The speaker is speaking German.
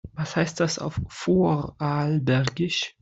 Was heißt das auf Vorarlbergisch?